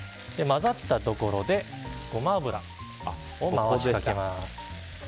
混ざったところでゴマ油を回しかけます。